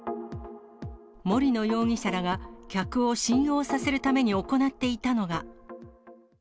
森野容疑者らが客を信用させるために行っていたのが。